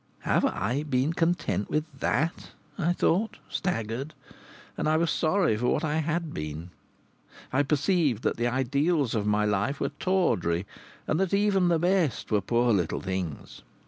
"Have I been content with that?" I thought, staggered. And I was sorry for what I had been. I perceived that the ideals of my life were tawdry, that even the best were poor little things.